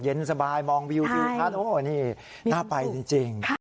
เย็นสบายมองวิวดูน่าไปจริง